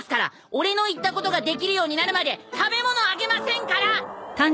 俺の言ったことができるようになるまで食べ物あげませんから！